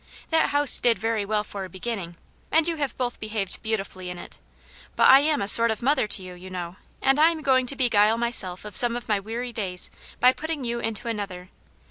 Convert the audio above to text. That house did very well for a beginning, and you have both behaved beautifully in it. But I am a sort of mother to you, you know, and I am going to beguile myself of some of my weary days by putting you into another.